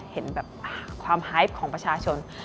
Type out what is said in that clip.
เห็นแบบความไฮปของประชาชน